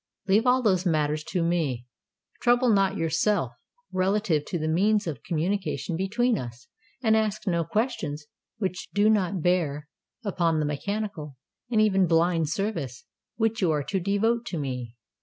Leave all those matters to me; trouble not yourself relative to the means of communication between us: and ask no questions which do not bear upon the mechanical and even blind service which you are to devote to me.